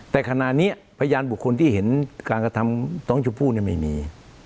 แต่ขณะเนี้ยพยานบุคคลที่เห็นการกระทำต้องชุบผู้เนี้ยไม่มี